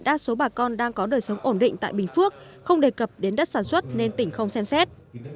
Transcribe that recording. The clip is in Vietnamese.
đa số bà con đang có đời sống ổn định tại bình phước không đề cập đến đất sản xuất nên tỉnh không xem xét